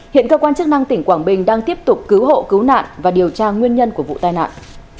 hiện cơ quan chức năng tỉnh quảng bình đang tiếp tục cứu hộ cứu nạn và điều tra nguyên nhân của vụ tai nạn